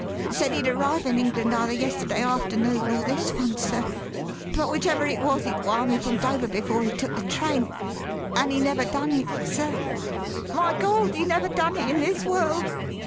Said he'd arrive in England either yesterday afternoon or this one, sir; but whichever it was, he'd wire me from Dover before he took the train. And he never done it, sir my Gawd! he never done it in this world!"